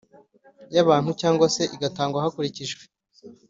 Y abantu cyangwa se igatangwa hakurikijwe